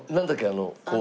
あのこう。